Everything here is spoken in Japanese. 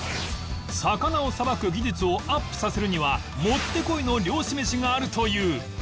魚をさばく技術をアップさせるにはもってこいの漁師めしがあるという